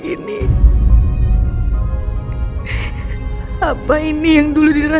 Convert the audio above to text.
jangan cairin aku ya